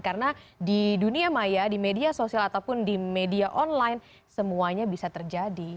karena di dunia maya di media sosial ataupun di media online semuanya bisa terjadi